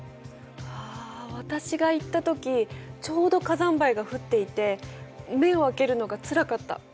あ私が行ったときちょうど火山灰が降っていて目を開けるのがつらかった。